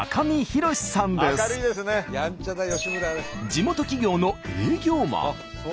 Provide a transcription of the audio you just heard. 地元企業の営業マン。